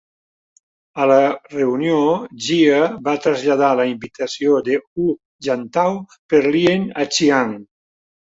A la reunió, Jia va traslladar la invitació de Hu Jintao per Lien a Chiang.